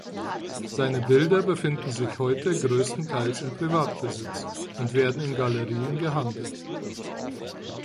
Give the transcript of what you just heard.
Seine Bilder befinden sich heute größtenteils in Privatbesitz und werden in Galerien gehandelt.